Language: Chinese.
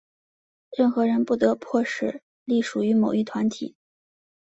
任何人不得迫使隶属于某一团体。